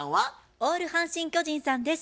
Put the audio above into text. オール阪神・巨人さんです。